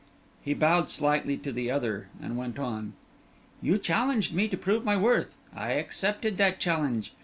He bowed slightly to the other, and went on: "You challenged me to prove my worth I accepted that challenge.